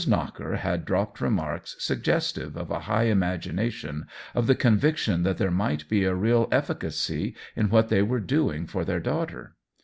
Knocker had dropped remarks suggestive of a high imagination, of the conviction that there might be a real efficacy in what they were doing for their daughter.